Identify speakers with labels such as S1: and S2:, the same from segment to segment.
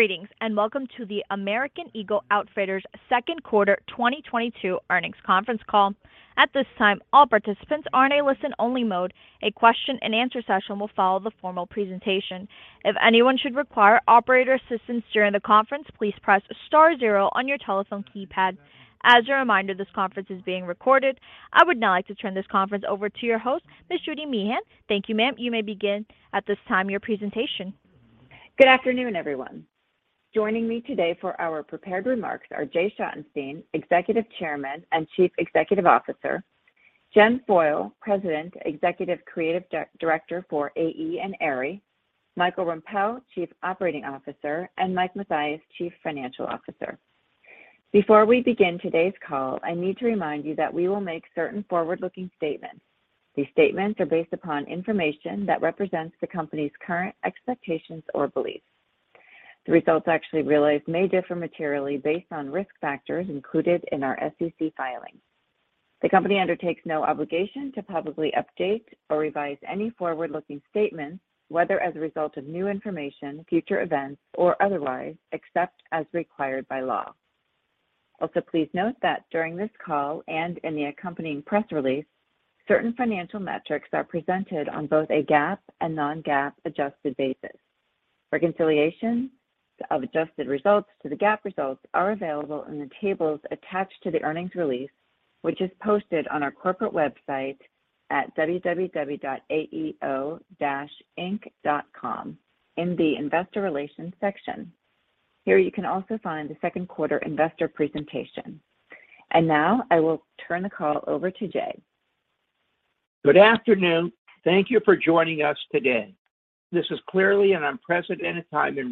S1: Greetings, welcome to the American Eagle Outfitters second quarter 2022 earnings conference call. At this time, all participants are in a listen-only mode. A question and answer session will follow the formal presentation. If anyone should require operator assistance during the conference, please press star zero on your telephone keypad. As a reminder, this conference is being recorded. I would now like to turn this conference over to your host, Ms. Judy Meehan. Thank you, ma'am. You may begin at this time your presentation.
S2: Good afternoon, everyone. Joining me today for our prepared remarks are Jay Schottenstein, Executive Chairman and Chief Executive Officer, Jen Foyle, President, Executive Creative Director for AE and Aerie, Michael Rempell, Chief Operating Officer, and Mike Mathias, Chief Financial Officer. Before we begin today's call, I need to remind you that we will make certain forward-looking statements. These statements are based upon information that represents the company's current expectations or beliefs. The results actually realized may differ materially based on risk factors included in our SEC filings. The company undertakes no obligation to publicly update or revise any forward-looking statements, whether as a result of new information, future events, or otherwise, except as required by law. Also, please note that during this call and in the accompanying press release, certain financial metrics are presented on both a GAAP and non-GAAP adjusted basis. Reconciliations of adjusted results to the GAAP results are available in the tables attached to the earnings release, which is posted on our corporate website at www.aeo-inc.com in the Investor Relations section. Here, you can also find the second quarter investor presentation. Now, I will turn the call over to Jay.
S3: Good afternoon. Thank you for joining us today. This is clearly an unprecedented time in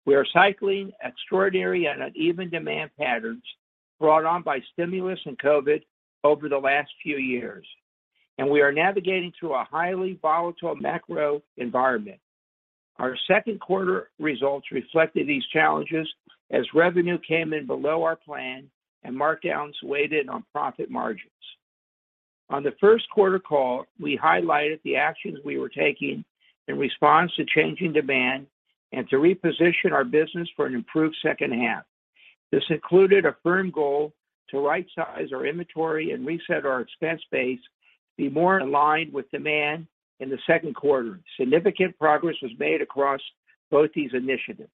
S3: retail. We are cycling extraordinary and uneven demand patterns brought on by stimulus and COVID over the last few years, and we are navigating through a highly volatile macro environment. Our second quarter results reflected these challenges as revenue came in below our plan and markdowns weighed on profit margins. On the first quarter call, we highlighted the actions we were taking in response to changing demand and to reposition our business for an improved second half. This included a firm goal to rightsize our inventory and reset our expense base to be more aligned with demand in the second quarter. Significant progress was made across both these initiatives.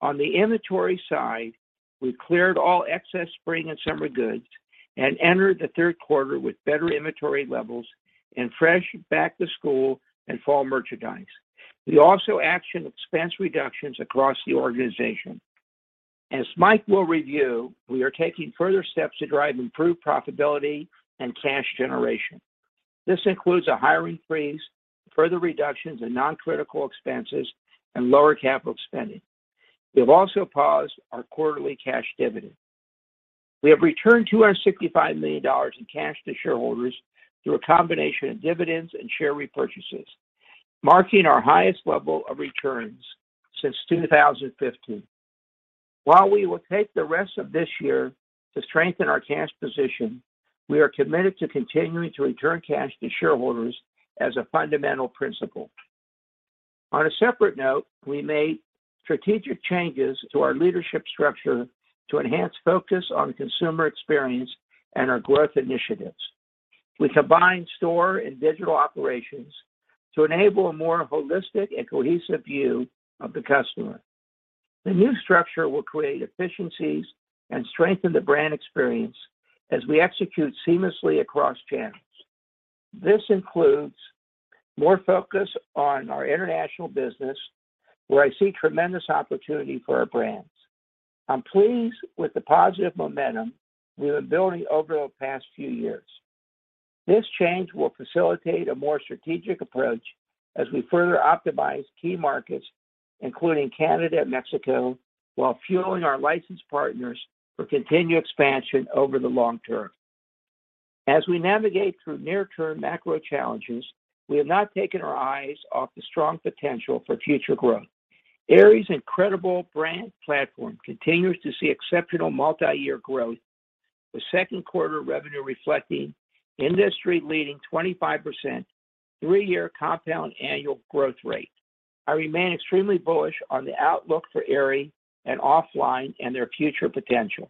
S3: On the inventory side, we cleared all excess spring and summer goods and entered the third quarter with better inventory levels and fresh back-to-school and fall merchandise. We also actioned expense reductions across the organization. As Mike will review, we are taking further steps to drive improved profitability and cash generation. This includes a hiring freeze, further reductions in non-critical expenses, and lower capital spending. We have also paused our quarterly cash dividend. We have returned $265 million in cash to shareholders through a combination of dividends and share repurchases, marking our highest level of returns since 2015. While we will take the rest of this year to strengthen our cash position, we are committed to continuing to return cash to shareholders as a fundamental principle. On a separate note, we made strategic changes to our leadership structure to enhance focus on consumer experience and our growth initiatives. We combined store and digital operations to enable a more holistic and cohesive view of the customer. The new structure will create efficiencies and strengthen the brand experience as we execute seamlessly across channels. This includes more focus on our international business, where I see tremendous opportunity for our brands. I'm pleased with the positive momentum we have been building over the past few years. This change will facilitate a more strategic approach as we further optimize key markets, including Canada and Mexico, while fueling our licensed partners for continued expansion over the long term. As we navigate through near-term macro challenges, we have not taken our eyes off the strong potential for future growth. Aerie's incredible brand platform continues to see exceptional multi-year growth, with second quarter revenue reflecting industry-leading 25% three-year compound annual growth rate. I remain extremely bullish on the outlook for Aerie and OFFLINE and their future potential.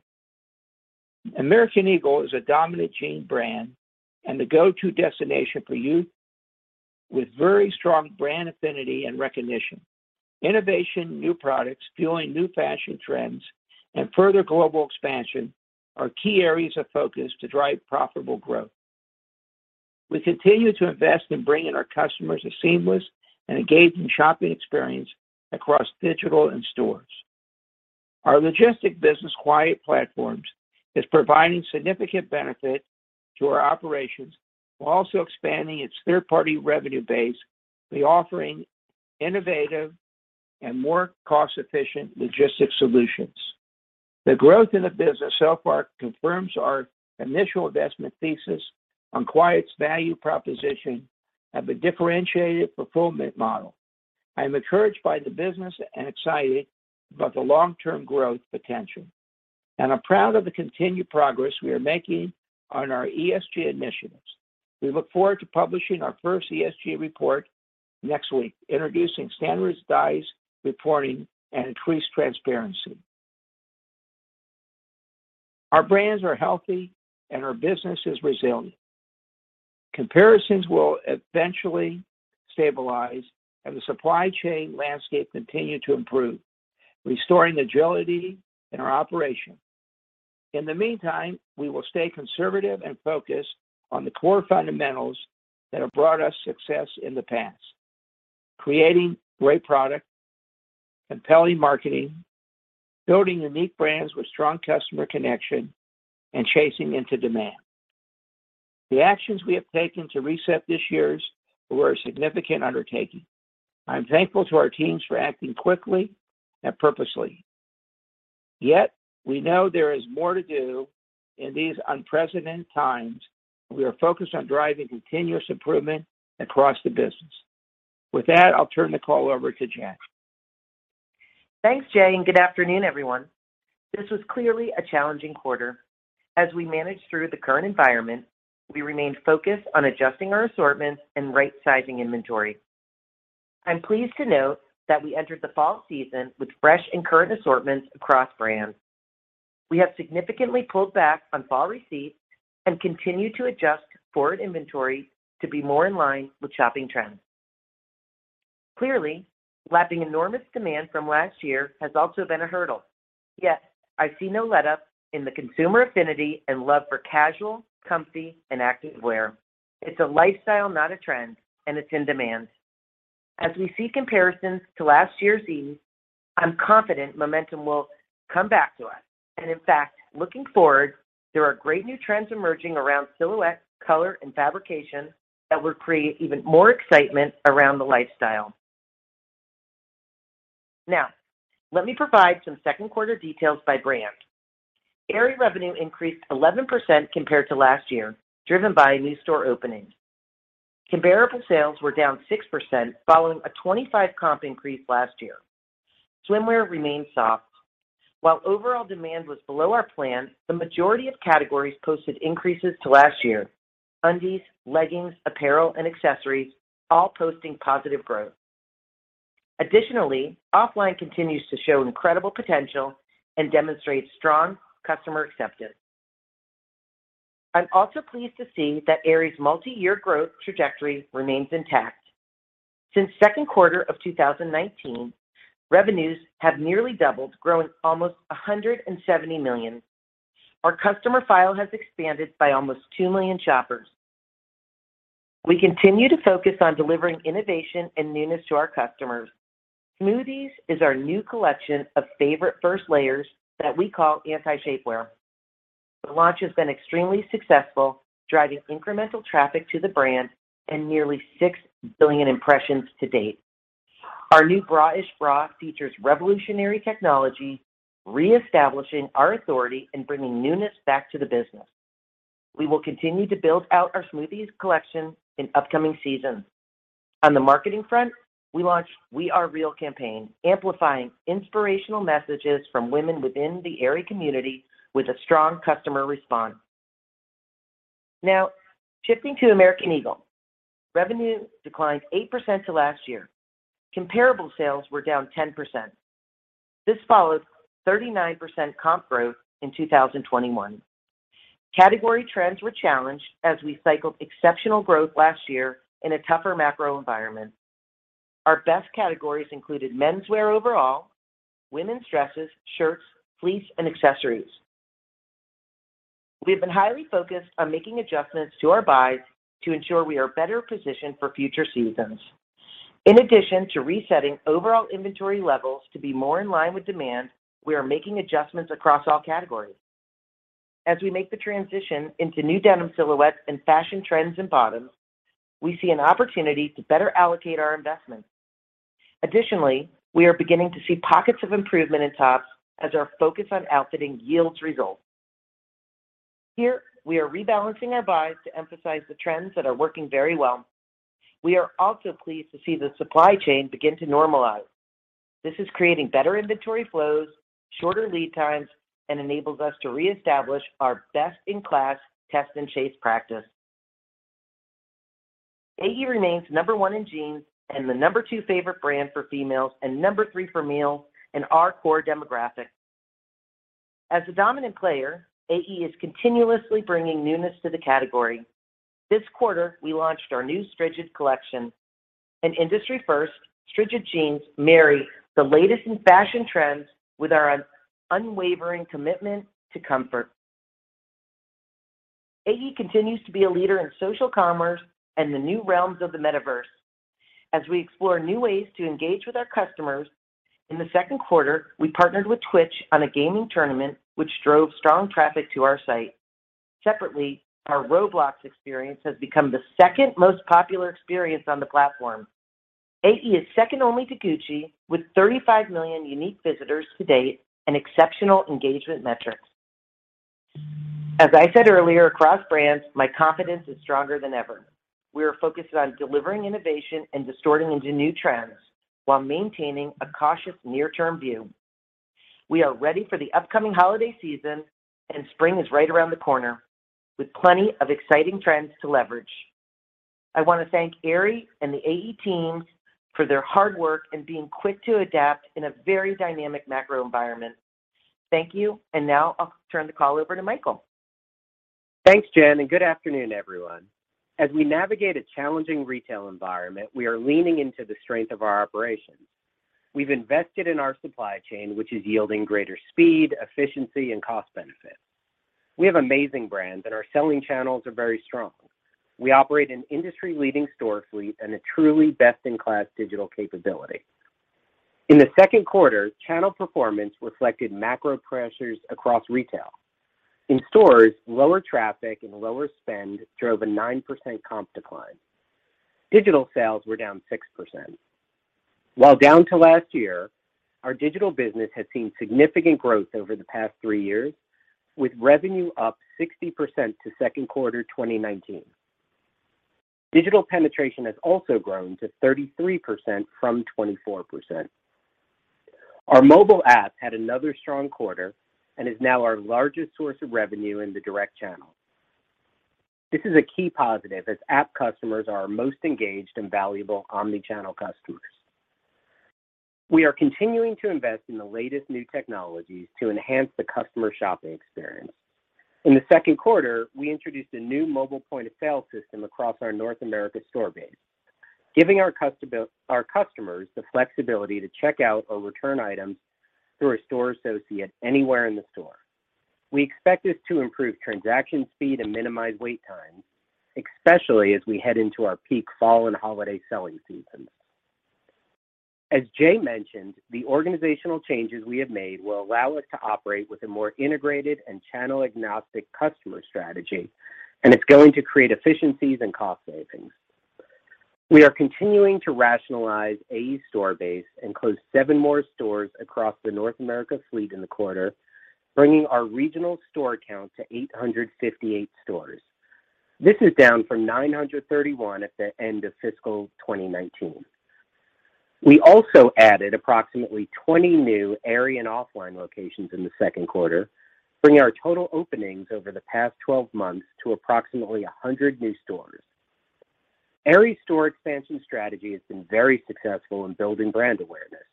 S3: American Eagle is a dominant jeans brand and the go-to destination for youth with very strong brand affinity and recognition. Innovation, new products, fueling new fashion trends, and further global expansion are key areas of focus to drive profitable growth. We continue to invest in bringing our customers a seamless and engaging shopping experience across digital and stores. Our logistics business, Quiet Platforms, is providing significant benefit to our operations while also expanding its third-party revenue base by offering innovative and more cost-efficient logistics solutions. The growth in the business so far confirms our initial investment thesis on Quiet's value proposition and the differentiated fulfillment model. I am encouraged by the business and excited about the long-term growth potential. I'm proud of the continued progress we are making on our ESG initiatives. We look forward to publishing our first ESG report next week, introducing standards, guides, reporting, and increased transparency. Our brands are healthy, and our business is resilient. Comparisons will eventually stabilize, and the supply chain landscape continue to improve, restoring agility in our operation. In the meantime, we will stay conservative and focused on the core fundamentals that have brought us success in the past, creating great product, compelling marketing, building unique brands with strong customer connection, and chasing into demand. The actions we have taken to reset this year were a significant undertaking. I'm thankful to our teams for acting quickly and purposely. Yet, we know there is more to do in these unprecedented times, and we are focused on driving continuous improvement across the business. With that, I'll turn the call over to Jen.
S4: Thanks, Jay, and good afternoon, everyone. This was clearly a challenging quarter. As we managed through the current environment, we remained focused on adjusting our assortments and right-sizing inventory. I'm pleased to note that we entered the fall season with fresh and current assortments across brands. We have significantly pulled back on fall receipts and continue to adjust forward inventory to be more in line with shopping trends. Clearly, lapping enormous demand from last year has also been a hurdle. Yet, I see no letup in the consumer affinity and love for casual, comfy, and active wear. It's a lifestyle, not a trend, and it's in demand. As we see comparisons to last year's ease, I'm confident momentum will come back to us. In fact, looking forward, there are great new trends emerging around silhouette, color, and fabrication that will create even more excitement around the lifestyle. Now, let me provide some second quarter details by brand. Aerie revenue increased 11% compared to last year, driven by new store openings. Comparable sales were down 6%, following a 25 comp increase last year. Swimwear remained soft. While overall demand was below our plan, the majority of categories posted increases to last year. Undies, leggings, apparel, and accessories all posting positive growth. Additionally, OFFLINE continues to show incredible potential and demonstrates strong customer acceptance. I'm also pleased to see that Aerie's multi-year growth trajectory remains intact. Since second quarter of 2019, revenues have nearly doubled, growing almost $170 million. Our customer file has expanded by almost 2 million shoppers. We continue to focus on delivering innovation and newness to our customers. SMOOTHEZ is our new collection of favorite first layers that we call anti-shapewear. The launch has been extremely successful, driving incremental traffic to the brand and nearly 6 billion impressions to date. Our new Real Me Bra features revolutionary technology, reestablishing our authority and bringing newness back to the business. We will continue to build out our SMOOTHEZ collection in upcoming seasons. On the marketing front, we launched We Are Real campaign, amplifying inspirational messages from women within the Aerie community with a strong customer response. Now, shifting to American Eagle. Revenue declined 8% to last year. Comparable sales were down 10%. This follows 39% comp growth in 2021. Category trends were challenged as we cycled exceptional growth last year in a tougher macro environment. Our best categories included menswear overall, women's dresses, shirts, fleece, and accessories. We have been highly focused on making adjustments to our buys to ensure we are better positioned for future seasons. In addition to resetting overall inventory levels to be more in line with demand, we are making adjustments across all categories. As we make the transition into new denim silhouettes and fashion trends in bottoms, we see an opportunity to better allocate our investments. Additionally, we are beginning to see pockets of improvement in tops as our focus on outfitting yields results. Here, we are rebalancing our buys to emphasize the trends that are working very well. We are also pleased to see the supply chain begin to normalize. This is creating better inventory flows, shorter lead times, and enables us to reestablish our best-in-class test and chase practice. AE remains number one in jeans and the number two favorite brand for females and number three for males in our core demographic. As a dominant player, AE is continuously bringing newness to the category. This quarter, we launched our new Strigid collection. An industry first, Strigid jeans marry the latest in fashion trends with our unwavering commitment to comfort. AE continues to be a leader in social commerce and the new realms of the metaverse as we explore new ways to engage with our customers. In the second quarter, we partnered with Twitch on a gaming tournament, which drove strong traffic to our site. Separately, our Roblox experience has become the second most popular experience on the platform. AE is second only to Gucci, with 35 million unique visitors to date and exceptional engagement metrics. As I said earlier, across brands, my confidence is stronger than ever. We are focused on delivering innovation and diving into new trends while maintaining a cautious near-term view. We are ready for the upcoming holiday season, and spring is right around the corner with plenty of exciting trends to leverage. I wanna thank Aerie and the AE teams for their hard work in being quick to adapt in a very dynamic macro environment. Thank you, and now I'll turn the call over to Michael Rempell.
S5: Thanks, Jen, and good afternoon, everyone. As we navigate a challenging retail environment, we are leaning into the strength of our operations. We've invested in our supply chain, which is yielding greater speed, efficiency, and cost benefit. We have amazing brands that our selling channels are very strong. We operate an industry-leading store fleet and a truly best-in-class digital capability. In the second quarter, channel performance reflected macro pressures across retail. In stores, lower traffic and lower spend drove a 9% comp decline. Digital sales were down 6%. While down to last year, our digital business has seen significant growth over the past three years, with revenue up 60% to second quarter 2019. Digital penetration has also grown to 33% from 24%. Our mobile app had another strong quarter and is now our largest source of revenue in the direct channel. This is a key positive as app customers are our most engaged and valuable omni-channel customers. We are continuing to invest in the latest new technologies to enhance the customer shopping experience. In the second quarter, we introduced a new mobile point-of-sale system across our North America store base, giving our customers the flexibility to check out or return items through a store associate anywhere in the store. We expect this to improve transaction speed and minimize wait times, especially as we head into our peak fall and holiday selling seasons. As Jay mentioned, the organizational changes we have made will allow us to operate with a more integrated and channel-agnostic customer strategy, and it's going to create efficiencies and cost savings. We are continuing to rationalize AE's store base and close seven more stores across the North America fleet in the quarter, bringing our regional store count to 858 stores. This is down from 931 at the end of fiscal 2019. We also added approximately 20 new Aerie and OFFLINE locations in the second quarter, bringing our total openings over the past twelve months to approximately 100 new stores. Aerie's store expansion strategy has been very successful in building brand awareness.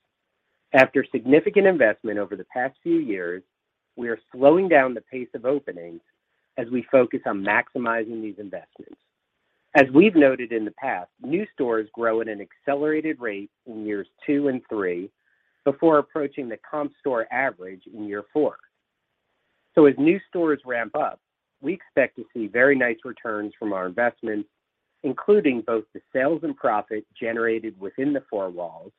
S5: After significant investment over the past few years, we are slowing down the pace of openings as we focus on maximizing these investments. As we've noted in the past, new stores grow at an accelerated rate in years two and three before approaching the comp store average in year four. As new stores ramp up, we expect to see very nice returns from our investments, including both the sales and profit generated within the four walls,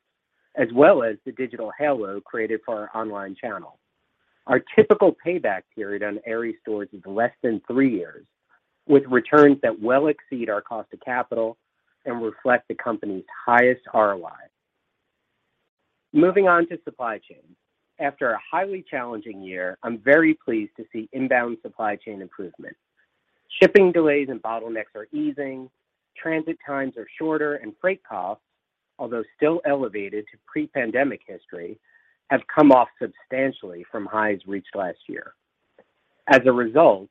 S5: as well as the digital halo created for our online channel. Our typical payback period on Aerie stores is less than three years, with returns that well exceed our cost of capital and reflect the company's highest ROIs. Moving on to supply chain. After a highly challenging year, I'm very pleased to see inbound supply chain improvements. Shipping delays and bottlenecks are easing, transit times are shorter, and freight costs, although still elevated to pre-pandemic levels, have come off substantially from highs reached last year. As a result,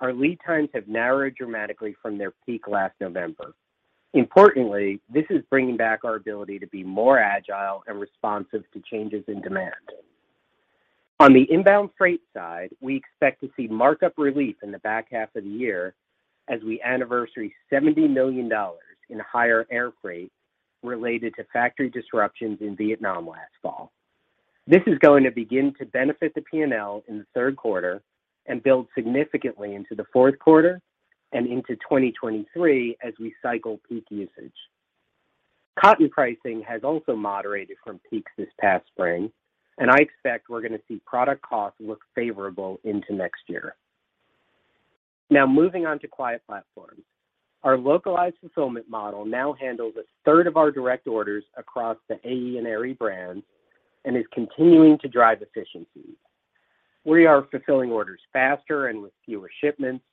S5: our lead times have narrowed dramatically from their peak last November. Importantly, this is bringing back our ability to be more agile and responsive to changes in demand. On the inbound freight side, we expect to see markup relief in the back half of the year as we anniversary $70 million in higher air freight related to factory disruptions in Vietnam last fall. This is going to begin to benefit the P&L in the third quarter and build significantly into the fourth quarter and into 2023 as we cycle peak usage. Cotton pricing has also moderated from peaks this past spring, and I expect we're gonna see product costs look favorable into next year. Now moving on to Quiet Platforms. Our localized fulfillment model now handles a third of our direct orders across the AE and Aerie brands and is continuing to drive efficiencies. We are fulfilling orders faster and with fewer shipments.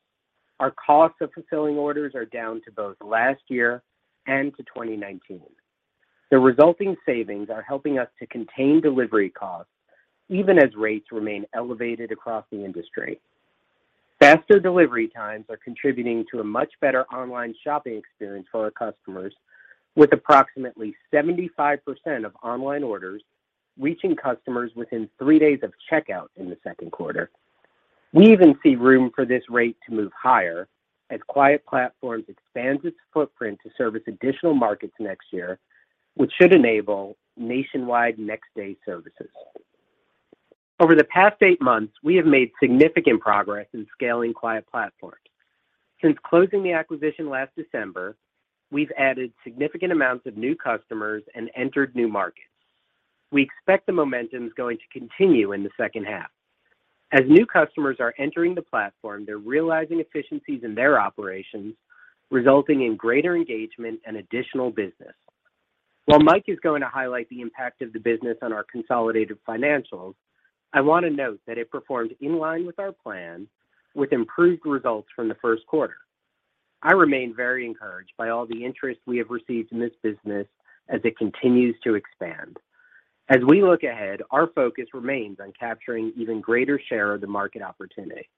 S5: Our costs of fulfilling orders are down to both last year and to 2019. The resulting savings are helping us to contain delivery costs even as rates remain elevated across the industry. Faster delivery times are contributing to a much better online shopping experience for our customers, with approximately 75% of online orders reaching customers within three days of checkout in the second quarter. We even see room for this rate to move higher as Quiet Platforms expands its footprint to service additional markets next year, which should enable nationwide next-day services. Over the past eight months, we have made significant progress in scaling Quiet Platforms. Since closing the acquisition last December, we've added significant amounts of new customers and entered new markets. We expect the momentum's going to continue in the second half. As new customers are entering the platform, they're realizing efficiencies in their operations, resulting in greater engagement and additional business. While Mike is going to highlight the impact of the business on our consolidated financials, I wanna note that it performed in line with our plan with improved results from the first quarter. I remain very encouraged by all the interest we have received in this business as it continues to expand. As we look ahead, our focus remains on capturing even greater share of the market opportunity.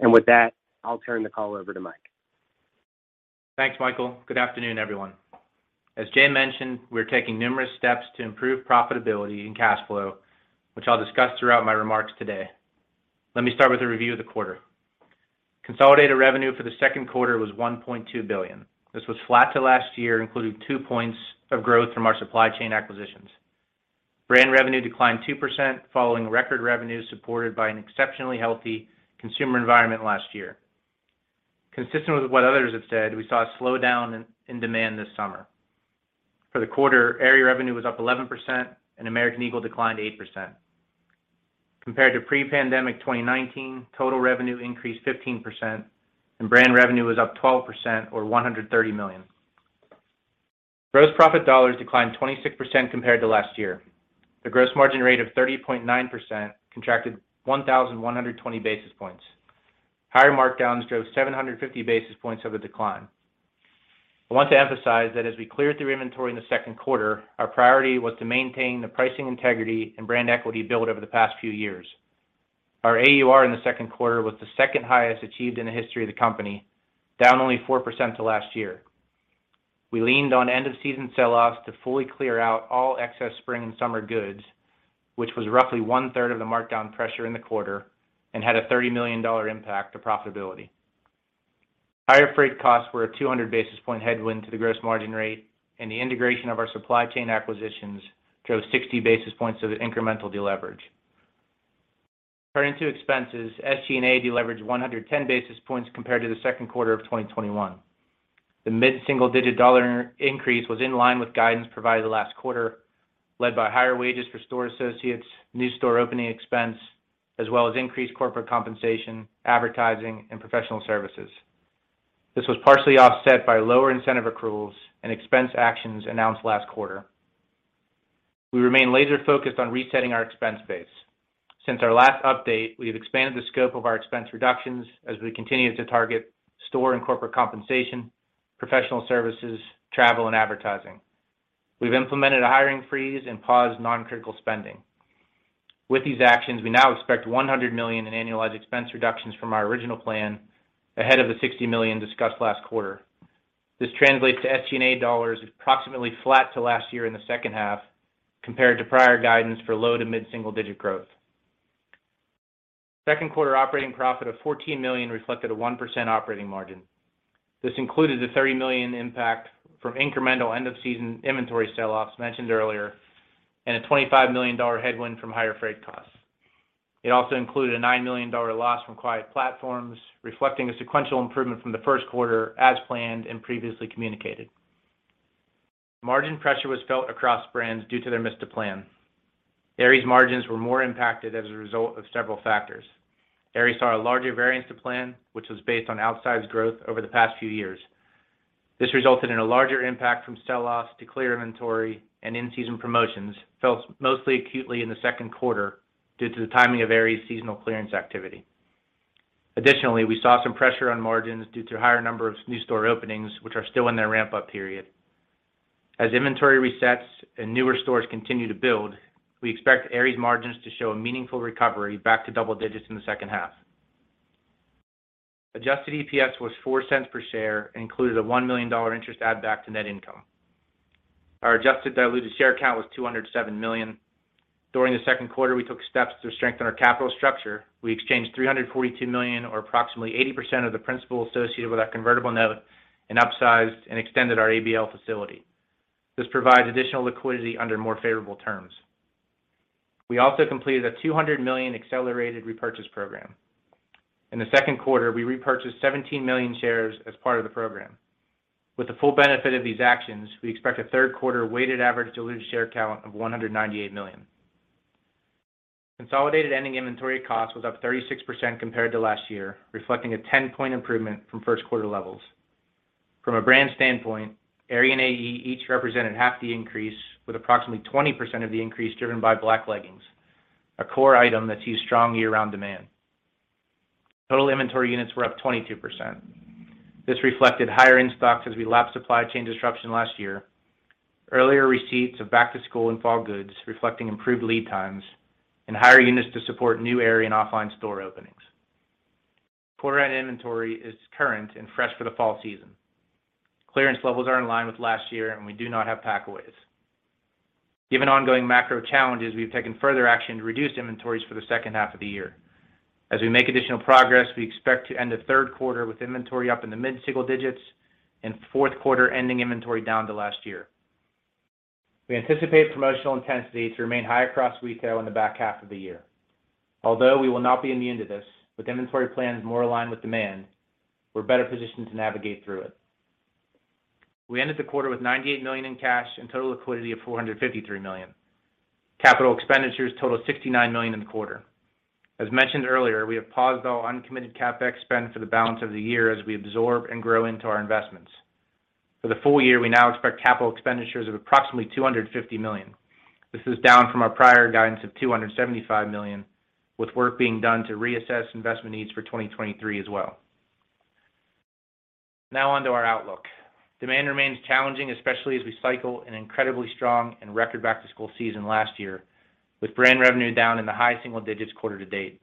S5: With that, I'll turn the call over to Mike.
S6: Thanks, Michael. Good afternoon, everyone. As Jay mentioned, we're taking numerous steps to improve profitability and cash flow, which I'll discuss throughout my remarks today. Let me start with a review of the quarter. Consolidated revenue for the second quarter was $1.2 billion. This was flat to last year, including 2 points of growth from our supply chain acquisitions. Brand revenue declined 2% following record revenue supported by an exceptionally healthy consumer environment last year. Consistent with what others have said, we saw a slowdown in demand this summer. For the quarter, Aerie revenue was up 11% and American Eagle declined 8%. Compared to pre-pandemic 2019, total revenue increased 15% and brand revenue was up 12% or $130 million. Gross profit dollars declined 26% compared to last year. The gross margin rate of 30.9% contracted 1,120 basis points. Higher markdowns drove 750 basis points of the decline. I want to emphasize that as we cleared through inventory in the second quarter, our priority was to maintain the pricing integrity and brand equity built over the past few years. Our AUR in the second quarter was the second highest achieved in the history of the company, down only 4% to last year. We leaned on end-of-season sell-offs to fully clear out all excess spring and summer goods, which was roughly one-third of the markdown pressure in the quarter and had a $30 million impact to profitability. Higher freight costs were a 200 basis points headwind to the gross margin rate, and the integration of our supply chain acquisitions drove 60 basis points of incremental deleverage. Turning to expenses, SG&A deleveraged 110 basis points compared to the second quarter of 2021. The mid-single digit dollar increase was in line with guidance provided the last quarter, led by higher wages for store associates, new store opening expense, as well as increased corporate compensation, advertising, and professional services. This was partially offset by lower incentive accruals and expense actions announced last quarter. We remain laser-focused on resetting our expense base. Since our last update, we have expanded the scope of our expense reductions as we continue to target store and corporate compensation, professional services, travel, and advertising. We've implemented a hiring freeze and paused non-critical spending. With these actions, we now expect $100 million in annualized expense reductions from our original plan ahead of the $60 million discussed last quarter. This translates to SG&A dollars approximately flat to last year in the second half compared to prior guidance for low- to mid-single-digit growth. Second quarter operating profit of $14 million reflected a 1% operating margin. This included a $30 million impact from incremental end of season inventory sell-offs mentioned earlier and a $25 million headwind from higher freight costs. It also included a $9 million loss from acquired platforms, reflecting a sequential improvement from the first quarter as planned and previously communicated. Margin pressure was felt across brands due to their miss to plan. Aerie's margins were more impacted as a result of several factors. Aerie saw a larger variance to plan, which was based on outsized growth over the past few years. This resulted in a larger impact from sell loss to clear inventory and in-season promotions, felt most acutely in the second quarter due to the timing of Aerie's seasonal clearance activity. Additionally, we saw some pressure on margins due to higher number of new store openings, which are still in their ramp-up period. As inventory resets and newer stores continue to build, we expect Aerie's margins to show a meaningful recovery back to double digits in the second half. Adjusted EPS was $0.04 per share and included a $1 million interest add back to net income. Our adjusted diluted share count was 207 million. During the second quarter, we took steps to strengthen our capital structure. We exchanged $342 million or approximately 80% of the principal associated with our convertible notes and upsized and extended our ABL facility. This provides additional liquidity under more favorable terms. We also completed a $200 million accelerated repurchase program. In the second quarter, we repurchased 17 million shares as part of the program. With the full benefit of these actions, we expect a third quarter weighted average diluted share count of 198 million. Consolidated ending inventory cost was up 36% compared to last year, reflecting a 10-point improvement from first quarter levels. From a brand standpoint, Aerie and AE each represented half the increase with approximately 20% of the increase driven by black leggings, a core item that sees strong year-round demand. Total inventory units were up 22%. This reflected higher in-stocks as we lapped supply chain disruption last year. Earlier receipts of back-to-school and fall goods reflecting improved lead times and higher units to support new Aerie and OFFLINE store openings. Quarter end inventory is current and fresh for the fall season. Clearance levels are in line with last year, and we do not have packaways. Given ongoing macro challenges, we've taken further action to reduce inventories for the second half of the year. As we make additional progress, we expect to end the third quarter with inventory up in the mid-single digits% and fourth quarter ending inventory down to last year. We anticipate promotional intensity to remain high across retail in the back half of the year. Although we will not be immune to this, with inventory plans more aligned with demand, we're better positioned to navigate through it. We ended the quarter with $98 million in cash and total liquidity of $453 million. Capital expenditures total $69 million in the quarter. As mentioned earlier, we have paused all uncommitted CapEx spend for the balance of the year as we absorb and grow into our investments. For the full year, we now expect capital expenditures of approximately $250 million. This is down from our prior guidance of $275 million, with work being done to reassess investment needs for 2023 as well. Now on to our outlook. Demand remains challenging, especially as we cycle an incredibly strong and record back-to-school season last year, with brand revenue down in the high single digits percentage quarter to date.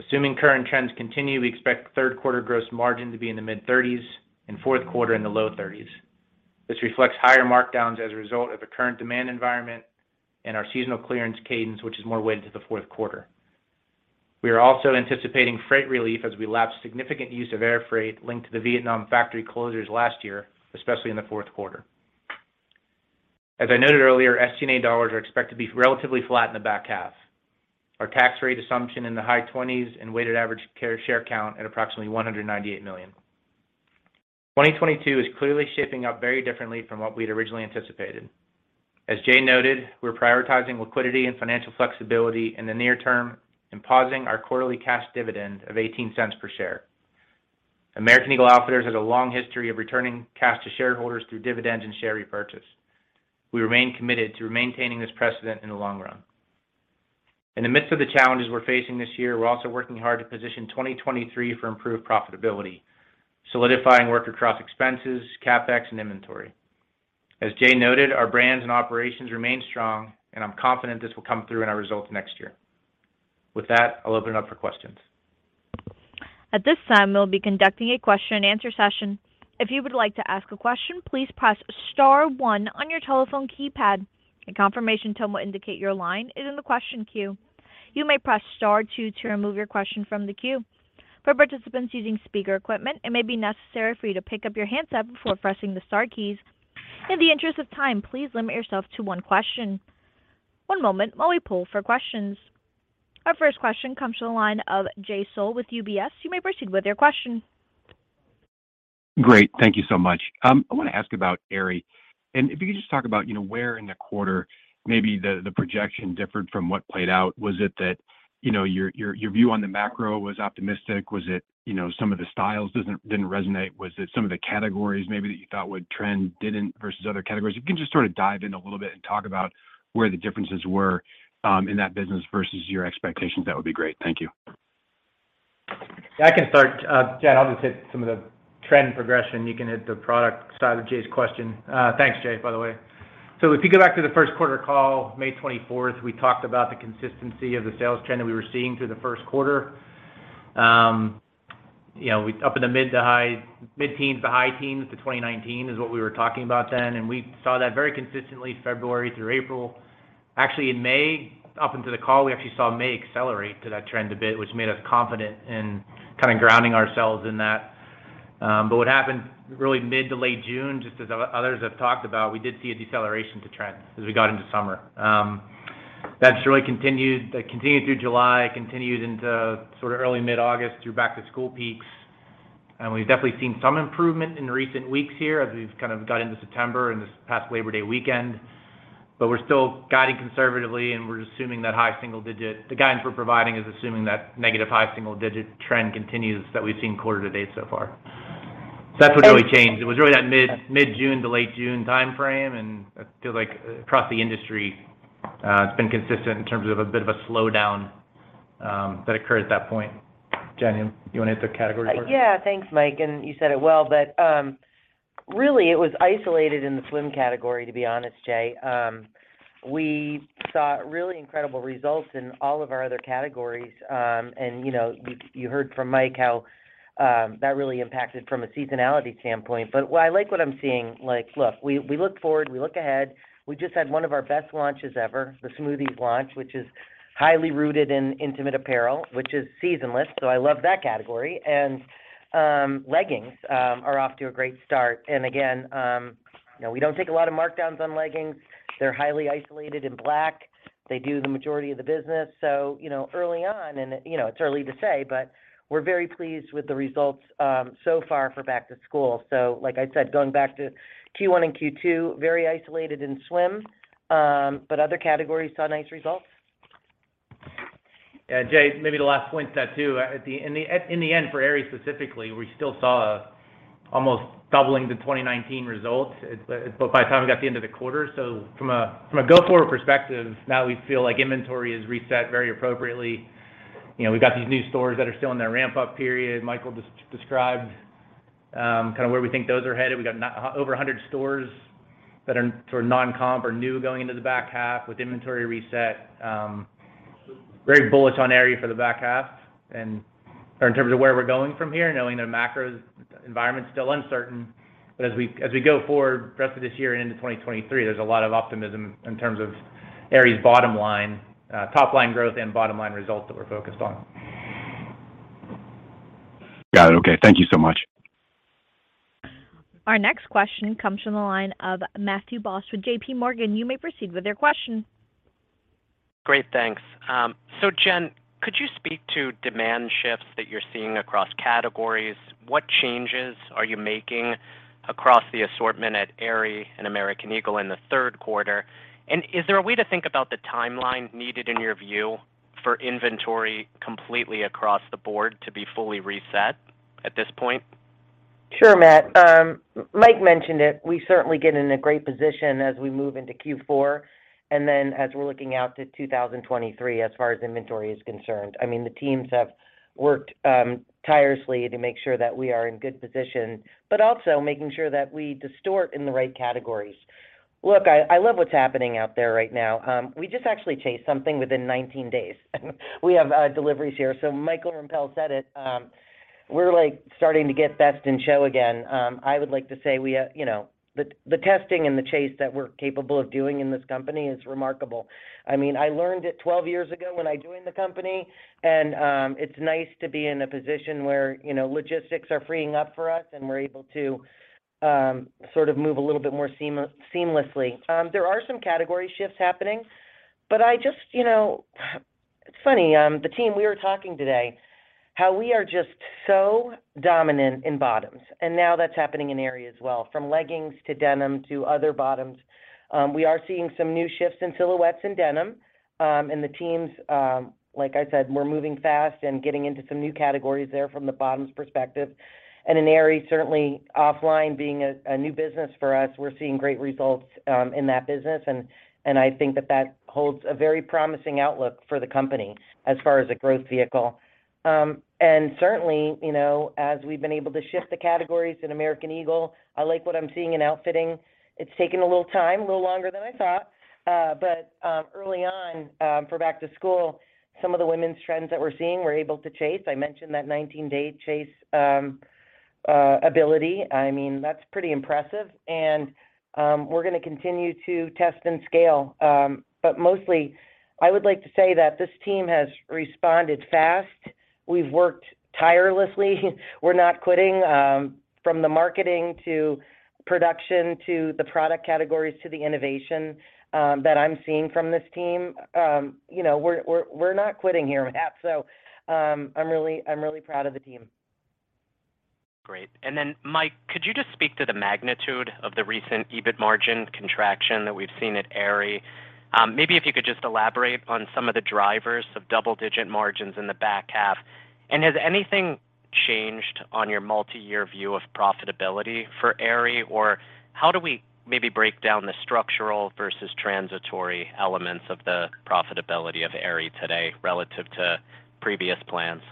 S6: Assuming current trends continue, we expect third quarter gross margin to be in the mid-30s% and fourth quarter in the low-30s%. This reflects higher markdowns as a result of the current demand environment and our seasonal clearance cadence, which is more weighted to the fourth quarter. We are also anticipating freight relief as we lapse significant use of air freight linked to the Vietnam factory closures last year, especially in the fourth quarter. As I noted earlier, SG&A dollars are expected to be relatively flat in the back half. Our tax rate assumption in the high 20s and weighted average share count at approximately 198 million. 2022 is clearly shaping up very differently from what we'd originally anticipated. As Jay noted, we're prioritizing liquidity and financial flexibility in the near term and pausing our quarterly cash dividend of $0.18 per share. American Eagle Outfitters has a long history of returning cash to shareholders through dividends and share repurchase. We remain committed to maintaining this precedent in the long run. In the midst of the challenges we're facing this year, we're also working hard to position 2023 for improved profitability, solidifying work across expenses, CapEx, and inventory. As Jay noted, our brands and operations remain strong, and I'm confident this will come through in our results next year. With that, I'll open it up for questions.
S1: At this time, we'll be conducting a question and answer session. If you would like to ask a question, please press star one on your telephone keypad. A confirmation tone will indicate your line is in the question queue. You may press star two to remove your question from the queue. For participants using speaker equipment, it may be necessary for you to pick up your handset before pressing the star keys. In the interest of time, please limit yourself to one question. One moment while we pull for questions. Our first question comes from the line of Jay Sole with UBS. You may proceed with your question.
S7: Great. Thank you so much. I wanna ask about Aerie. If you could just talk about, you know, where in the quarter maybe the projection differed from what played out. Was it that, you know, your view on the macro was optimistic? Was it, you know, some of the styles didn't resonate? Was it some of the categories maybe that you thought would trend didn't versus other categories? If you can just sort of dive in a little bit and talk about where the differences were, in that business versus your expectations, that would be great. Thank you.
S6: I can start, Jen. I'll just hit some of the trend progression. You can hit the product side of Jay's question. Thanks, Jay, by the way. If you go back to the first quarter call, May 24, we talked about the consistency of the sales trend that we were seeing through the first quarter. You know, mid-teens to high teens to 2019 is what we were talking about then. We saw that very consistently February through April. Actually, in May up into the call, we actually saw May accelerate to that trend a bit, which made us confident in kind of grounding ourselves in that. What happened really mid to late June, just as others have talked about, we did see a deceleration to trend as we got into summer. That's really continued. That continued through July, continued into sorta early mid-August through back-to-school peaks. We've definitely seen some improvement in recent weeks here as we've kind of got into September and this past Labor Day weekend. We're still guiding conservatively, and we're assuming that high single digit trend continues that we've seen quarter to date so far. The guidance we're providing is assuming that negative high single digit trend continues that we've seen quarter to date so far. That's what really changed. It was really that mid-June to late June timeframe. Feels like across the industry, it's been consistent in terms of a bit of a slowdown that occurred at that point. Jen, you wanna hit the category for it?
S4: Yeah. Thanks, Mike, and you said it well. Really it was isolated in the swim category, to be honest, Jay. We saw really incredible results in all of our other categories. You know, you heard from Mike how that really impacted from a seasonality standpoint. What I like what I'm seeing, like, look, we look forward, we look ahead. We just had one of our best launches ever, the SMOOTHEZ launch, which is highly rooted in intimate apparel, which is seasonless, so I love that category. Leggings are off to a great start. Again, you know, we don't take a lot of markdowns on leggings. They're highly isolated in black. They do the majority of the business. You know, early on and, you know, it's early to say, but we're very pleased with the results so far for back to school. Like I said, going back to Q1 and Q2, very isolated in swim, but other categories saw nice results.
S6: Yeah. Jay, maybe the last point to that too. In the end for Aerie specifically, we still saw almost doubling the 2019 results by the time we got to the end of the quarter. From a go-forward perspective, now we feel like inventory is reset very appropriately. You know, we've got these new stores that are still in their ramp-up period. Michael described kind of where we think those are headed. We got now over 100 stores that are sort of non-comp or new going into the back half with inventory reset. Very bullish on Aerie for the back half or in terms of where we're going from here, knowing the macro environment's still uncertain. As we go forward rest of this year and into 2023, there's a lot of optimism in terms of Aerie's bottom line, top line growth and bottom line results that we're focused on.
S7: Got it. Okay. Thank you so much.
S1: Our next question comes from the line of Matthew Boss with JPMorgan. You may proceed with your question.
S8: Great. Thanks. Jen, could you speak to demand shifts that you're seeing across categories? What changes are you making across the assortment at Aerie and American Eagle in the third quarter? Is there a way to think about the timeline needed in your view for inventory completely across the board to be fully reset at this point?
S4: Sure, Matt. Mike mentioned it. We certainly get in a great position as we move into Q4, and then as we're looking out to 2023, as far as inventory is concerned. I mean, the teams have worked tirelessly to make sure that we are in good position, but also making sure that we distort in the right categories. Look, I love what's happening out there right now. We just actually chased something within 19 days. We have deliveries here. Michael Rempell said it. We're like starting to get best in show again. I would like to say we, you know, the testing and the chase that we're capable of doing in this company is remarkable. I mean, I learned it 12 years ago when I joined the company, and it's nice to be in a position where, you know, logistics are freeing up for us and we're able to sort of move a little bit more seamlessly. There are some category shifts happening, but I just, you know, it's funny, the team we were talking today, how we are just so dominant in bottoms, and now that's happening in Aerie as well, from leggings to denim to other bottoms. We are seeing some new shifts in silhouettes and denim. The teams, like I said, we're moving fast and getting into some new categories there from the bottoms perspective. In Aerie, certainly OFFLINE being a new business for us, we're seeing great results in that business. I think that holds a very promising outlook for the company as far as a growth vehicle. Certainly, you know, as we've been able to shift the categories in American Eagle, I like what I'm seeing in outfitting. It's taken a little time, a little longer than I thought. Early on, for back to school, some of the women's trends that we're seeing, we're able to chase. I mentioned that 19-day chase ability. I mean, that's pretty impressive and we're gonna continue to test and scale. Mostly, I would like to say that this team has responded fast. We've worked tirelessly. We're not quitting from the marketing to production to the product categories to the innovation that I'm seeing from this team. You know, we're not quitting here, Matt. I'm really proud of the team.
S8: Great. Mike, could you just speak to the magnitude of the recent EBIT margin contraction that we've seen at Aerie? Maybe if you could just elaborate on some of the drivers of double-digit margins in the back half. Has anything changed on your multi-year view of profitability for Aerie? How do we maybe break down the structural versus transitory elements of the profitability of Aerie today relative to previous plans?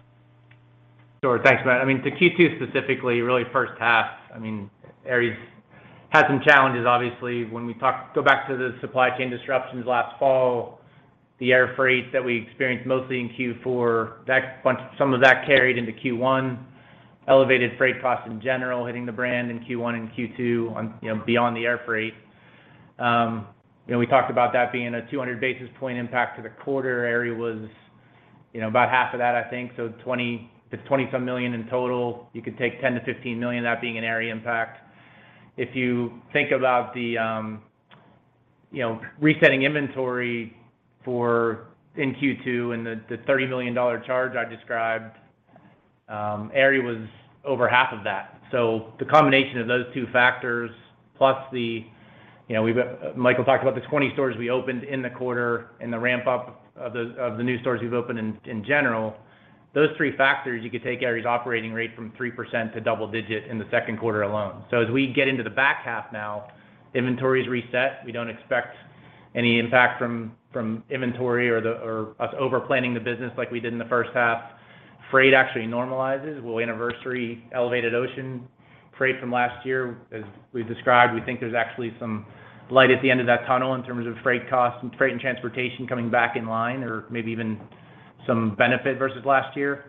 S6: Sure. Thanks, Matthew. I mean, to Q2 specifically, really first half, I mean, Aerie's had some challenges, obviously, go back to the supply chain disruptions last fall, the air freight that we experienced mostly in Q4, some of that carried into Q1. Elevated freight costs in general hitting the brand in Q1 and Q2 on, you know, beyond the air freight. You know, we talked about that being a 200 basis point impact to the quarter. Aerie was, you know, about half of that, I think. So $20 million to 20-some million in total. You could take $10 million-$15 million, that being an Aerie impact. If you think about the, you know, resetting inventory in Q2 and the $30 million charge I described, Aerie was over half of that. The combination of those two factors, plus the, you know, Michael Rempell talked about the 20 stores we opened in the quarter and the ramp up of the new stores we've opened in general. Those three factors, you could take Aerie's operating rate from 3% to double digit in the second quarter alone. As we get into the back half now, inventory is reset. We don't expect any impact from inventory or us over-planning the business like we did in the first half. Freight actually normalizes. We'll anniversary elevated ocean freight from last year. As we've described, we think there's actually some light at the end of that tunnel in terms of freight costs and freight and transportation coming back in line or maybe even some benefit versus last year.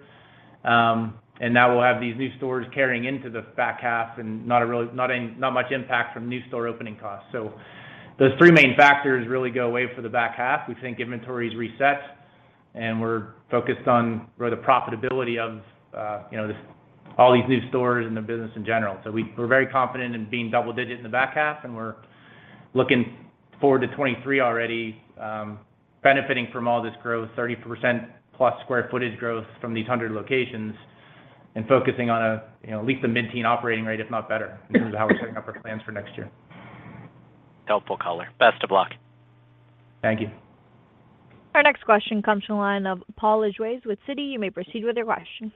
S6: Now we'll have these new stores carrying into the back half and not much impact from new store opening costs. Those three main factors really go away for the back half. We think inventory is reset, and we're focused on, you know, the profitability of, you know, all these new stores and the business in general. We're very confident in being double-digit in the back half, and we're looking forward to 2023 already, benefiting from all this growth, 30%+ square footage growth from these 100 locations and focusing on a, you know, at least a mid-teen operating rate, if not better. This is how we're setting up our plans for next year.
S8: Helpful call. Best of luck.
S6: Thank you.
S1: Our next question comes from the line of Paul Lejuez with Citi. You may proceed with your question.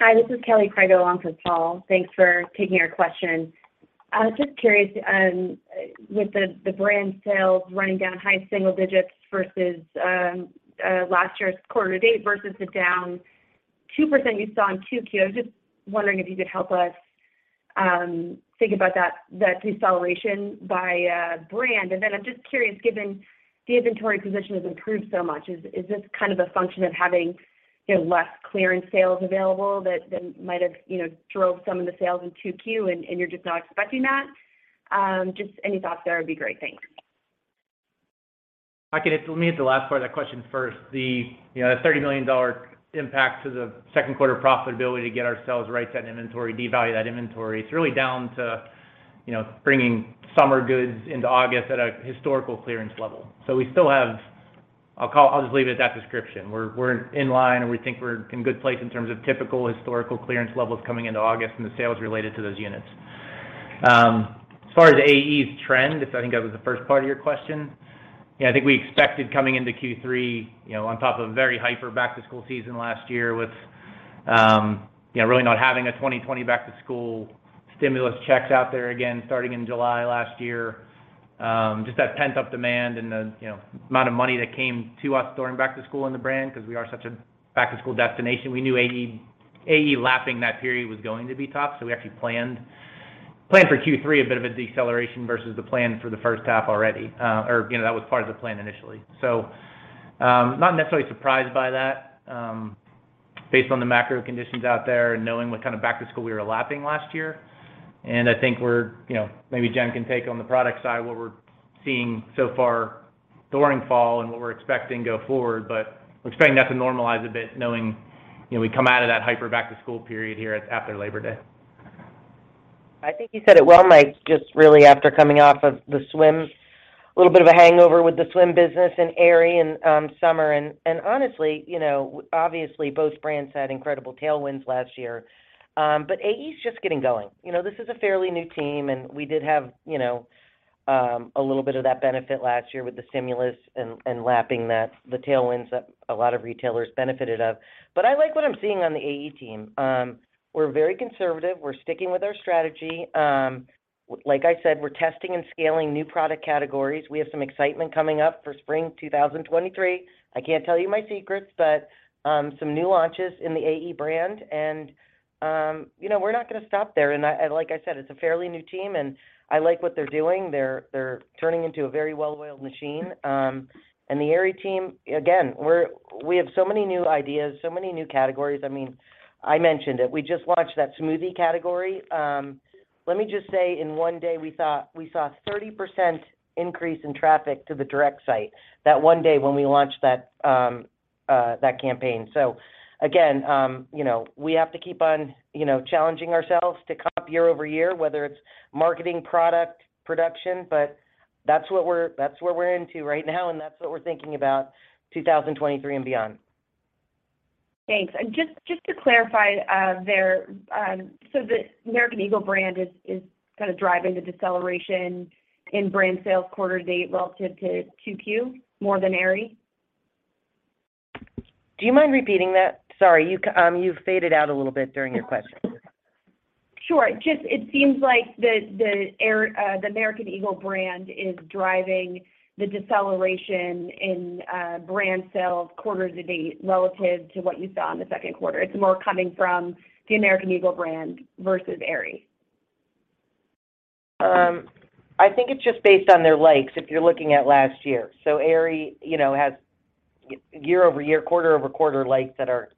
S9: Hi, this is Kelly Crago along with Paul. Thanks for taking our question. I was just curious, with the brand sales running down high single digits versus last year's quarter-to-date versus the down 2% you saw in 2Q. I was just wondering if you could help us think about that deceleration by brand. I'm just curious, given the inventory position has improved so much, is this kind of a function of having, you know, less clearance sales available that might have, you know, drove some of the sales in 2Q and you're just not expecting that? Just any thoughts there would be great. Thanks.
S6: Let me hit the last part of that question first. The, you know, the $30 million impact to the second quarter profitability to get ourselves right to that inventory, devalue that inventory, it's really down to, you know, bringing summer goods into August at a historical clearance level. We still have. I'll just leave it at that description. We're in line, and we think we're in a good place in terms of typical historical clearance levels coming into August and the sales related to those units. As far as AE's trend, if I think that was the first part of your question, yeah, I think we expected coming into Q3, you know, on top of a very hyper back-to-school season last year with, you know, really not having a 2020 back-to-school stimulus checks out there again starting in July last year, just that pent-up demand and the, you know, amount of money that came to us during back-to-school in the brand because we are such a back-to-school destination. We knew AE lapping that period was going to be tough, so we actually planned for Q3 a bit of a deceleration versus the plan for the first half already, you know, that was part of the plan initially. Not necessarily surprised by that, based on the macro conditions out there and knowing what kind of back-to-school we were lapping last year. I think we're, you know, maybe Jen can take on the product side, what we're seeing so far during fall and what we're expecting go forward. We're expecting that to normalize a bit knowing, you know, we come out of that hyper back-to-school period here after Labor Day.
S4: I think you said it well, Mike, just really after coming off of the swim, a little bit of a hangover with the swim business and Aerie and summer. Honestly, you know, obviously both brands had incredible tailwinds last year. AE's just getting going. You know, this is a fairly new team, and we did have, you know, a little bit of that benefit last year with the stimulus and lapping the tailwinds that a lot of retailers benefited from. I like what I'm seeing on the AE team. We're very conservative. We're sticking with our strategy. Like I said, we're testing and scaling new product categories. We have some excitement coming up for spring 2023. I can't tell you my secrets, but some new launches in the AE brand and, you know, we're not gonna stop there. I, like I said, it's a fairly new team, and I like what they're doing. They're turning into a very well-oiled machine. The Aerie team, again, we have so many new ideas, so many new categories. I mean, I mentioned it. We just launched that SMOOTHEZ category. Let me just say in one day, we thought we saw 30% increase in traffic to the direct site that one day when we launched that campaign. Again, you know, we have to keep on, you know, challenging ourselves to comp year-over-year, whether it's marketing, product, production, but that's where we're into right now, and that's what we're thinking about 2023 and beyond.
S9: Thanks. Just to clarify, the American Eagle brand is kind of driving the deceleration in brand sales quarter to date relative to 2Q more than Aerie?
S4: Do you mind repeating that? Sorry. You faded out a little bit during your question.
S9: Sure. Just, it seems like the American Eagle brand is driving the deceleration in brand sales quarter to date relative to what you saw in the second quarter. It's more coming from the American Eagle brand versus Aerie.
S4: I think it's just based on their likes if you're looking at last year. Aerie, you know, has year-over-year, quarter-over-quarter likes that are,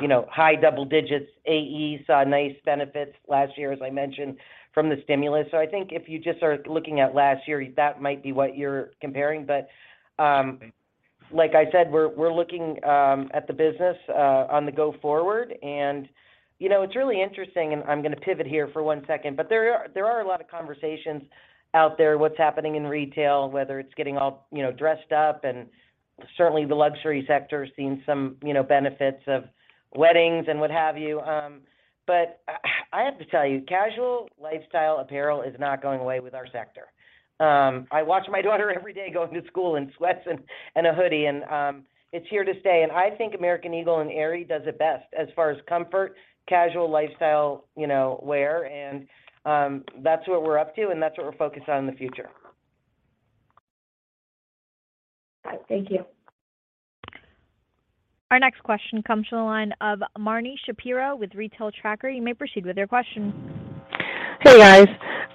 S4: you know, high double digits. AE saw nice benefits last year, as I mentioned, from the stimulus. I think if you just are looking at last year, that might be what you're comparing. Like I said, we're looking at the business going forward. You know, it's really interesting, and I'm gonna pivot here for one second, but there are a lot of conversations out there, what's happening in retail, whether it's getting all, you know, dressed up, and certainly the luxury sector seeing some, you know, benefits of weddings and what have you. I have to tell you, casual lifestyle apparel is not going away with our sector. I watch my daughter every day going to school in sweats and a hoodie, and it's here to stay. I think American Eagle and Aerie does it best as far as comfort, casual lifestyle, you know, wear, and that's what we're up to, and that's what we're focused on in the future.
S9: Thank you.
S6: Our next question comes from the line of Marni Shapiro with The Retail Tracker. You may proceed with your question.
S10: Hey, guys.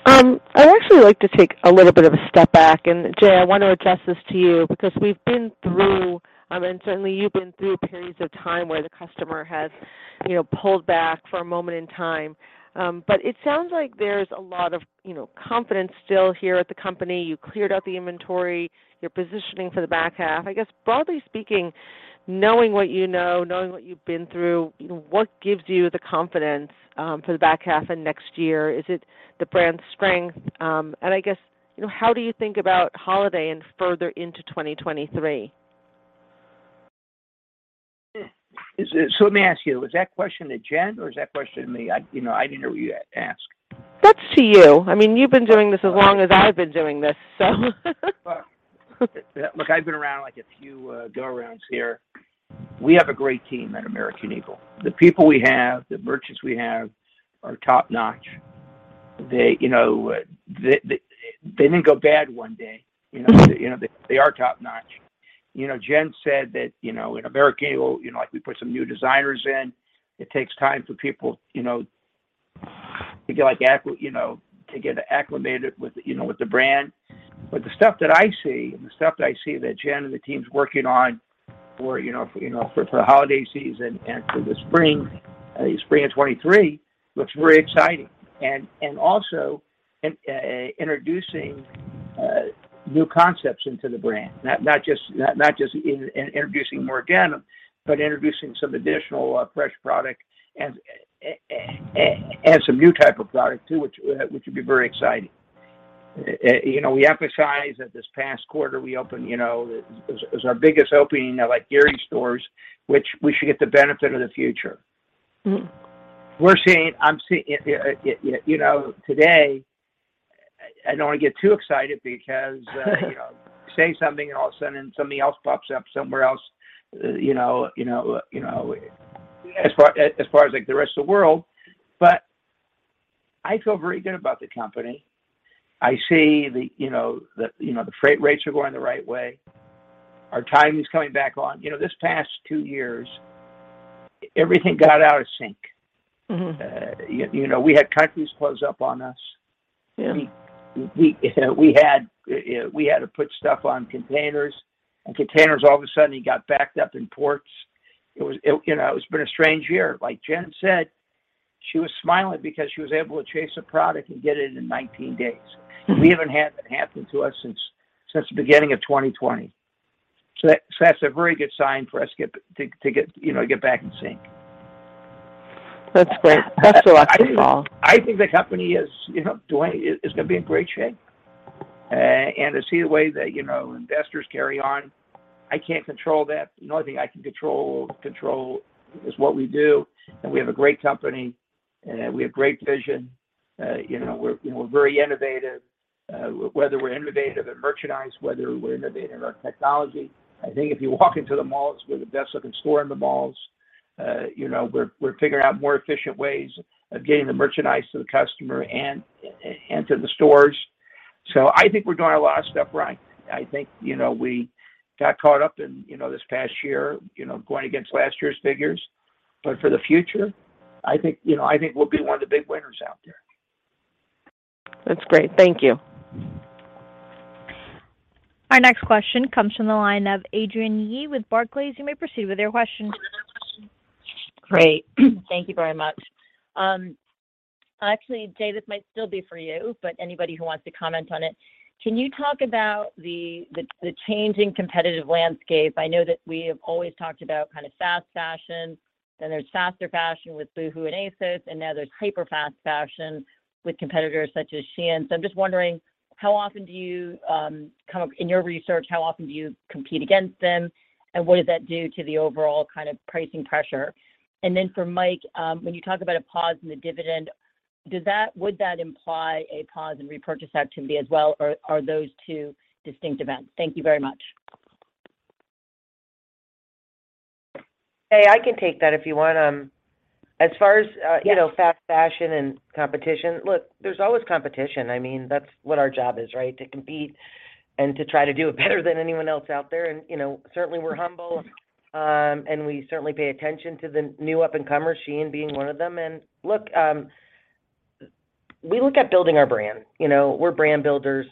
S10: I'd actually like to take a little bit of a step back. Jay, I want to address this to you because we've been through and certainly you've been through periods of time where the customer has, you know, pulled back for a moment in time. It sounds like there's a lot of, you know, confidence still here at the company. You cleared out the inventory. You're positioning for the back half. I guess, broadly speaking, knowing what you know, knowing what you've been through, what gives you the confidence for the back half and next year? Is it the brand strength? I guess, you know, how do you think about holiday and further into 2023?
S3: Let me ask you, was that question to Jen or is that question to me? I, you know, I didn't hear what you asked.
S10: That's to you. I mean, you've been doing this as long as I've been doing this, so
S3: Look, I've been around, like, a few go-rounds here. We have a great team at American Eagle. The people we have, the merchants we have are top-notch. They, you know, they didn't go bad one day. You know, they, you know, they are top-notch. You know, Jen said that, you know, in American Eagle, you know, like, we put some new designers in, it takes time for people, you know, to get, like, acclimated with, you know, with the brand. But the stuff that I see and the stuff that I see that Jen and the team's working on for the holiday season and for the spring of 2023 looks very exciting. also introducing new concepts into the brand, not just introducing more denim but introducing some additional fresh product and some new type of product too, which would be very exciting. You know, we emphasize that this past quarter we opened, you know, it was our biggest opening of, like, Aerie stores, which we should get the benefit of the future. You know, today, I don't want to get too excited because you know, say something and all of a sudden something else pops up somewhere else, you know, as far as, like, the rest of the world. I feel very good about the company. I see, you know, the freight rates are going the right way. Our timing's coming back on. You know, this past two years, everything got out of sync. You know, we had countries close up on us.
S11: Yeah.
S3: We had to put stuff on containers, and containers all of a sudden got backed up in ports. It was, you know, it's been a strange year. Like Jen said, she was smiling because she was able to chase a product and get it in 19 days. We haven't had that happen to us since the beginning of 2020. That's a very good sign for us to get, you know, to get back in sync.
S11: That's great. That's a lot to follow.
S3: I think the company is, you know, gonna be in great shape. To see the way that, you know, investors carry on, I can't control that. The only thing I can control is what we do, and we have a great company, and we have great vision. You know, we're very innovative, whether we're innovative in merchandise, whether we're innovative in our technology. I think if you walk into the malls, we're the best looking store in the malls. You know, we're figuring out more efficient ways of getting the merchandise to the customer and to the stores. I think we're doing a lot of stuff right. I think, you know, we got caught up in, you know, this past year, you know, going against last year's figures. For the future, I think, you know, I think we'll be one of the big winners out there.
S11: That's great. Thank you.
S1: Our next question comes from the line of Adrienne Yih with Barclays. You may proceed with your question.
S11: Great. Thank you very much. Actually, Jay, this might still be for you, but anybody who wants to comment on it. Can you talk about the changing competitive landscape? I know that we have always talked about kind of fast fashion, then there's faster fashion with boohoo and ASOS, and now there's hyper fast fashion with competitors such as Shein. I'm just wondering how often do you, kind of in your research, how often do you compete against them, and what does that do to the overall kind of pricing pressure? For Mike, when you talk about a pause in the dividend, would that imply a pause in repurchase activity as well, or are those two distinct events? Thank you very much.
S4: Hey, I can take that if you want. As far as,
S11: Yes
S4: You know, fast fashion and competition. Look, there's always competition. I mean, that's what our job is, right? To compete and to try to do it better than anyone else out there. You know, certainly we're humble, and we certainly pay attention to the new up-and-comers, Shein being one of them. Look, we look at building our brand. You know, we're brand builders.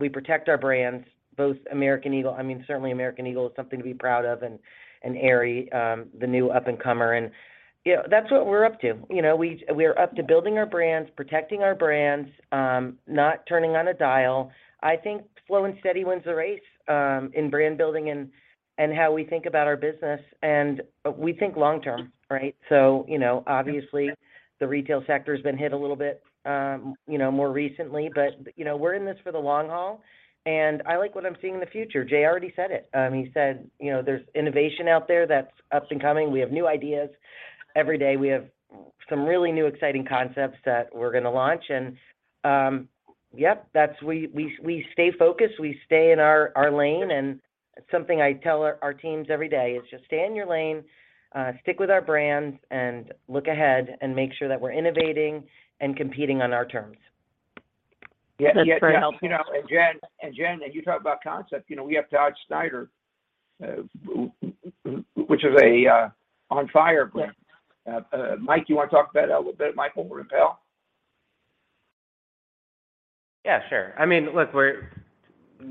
S4: We protect our brands, both American Eagle. I mean, certainly American Eagle is something to be proud of, and Aerie, the new up-and-comer. You know, that's what we're up to. You know, we are up to building our brands, protecting our brands, not turning on a dime. I think slow and steady wins the race, in brand building and how we think about our business. We think long term, right? You know, obviously the retail sector's been hit a little bit, you know, more recently. You know, we're in this for the long haul, and I like what I'm seeing in the future. Jay already said it. He said, you know, there's innovation out there that's up and coming. We have new ideas every day. We have some really new exciting concepts that we're gonna launch. We stay focused. We stay in our lane. Something I tell our teams every day is just stay in your lane, stick with our brands, and look ahead, and make sure that we're innovating and competing on our terms.
S11: That's very helpful.
S3: Yeah, you know, and Jen, you talk about concepts, you know, we have Todd Snyder, which is a on fire brand.
S11: Yeah.
S3: Mike, you want to talk about that a little bit, Mike, over in PAL?
S5: Yeah, sure. I mean, look, we're,